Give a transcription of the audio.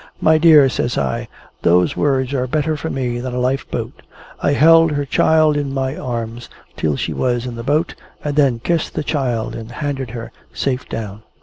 "My dear," says I, "those words are better for me than a life boat." I held her child in my arms till she was in the boat, and then kissed the child and handed her safe down.